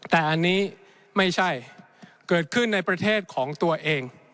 แต่อันนี้ไม่ใช่เกิดขึ้นในประเทศของตัวเอง